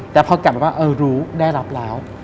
แต่พอกลับไปว่าเออรู้ได้รับแล้ว